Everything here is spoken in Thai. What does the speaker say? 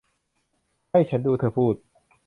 ให้ฉันดูเธอพูด